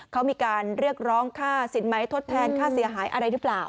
เขามีการเรียกร้องค่าสินไหมทดแทนค่าเสียหายอะไรหรือเปล่า